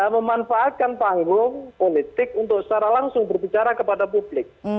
memanfaatkan panggung politik untuk secara langsung berbicara kepada publik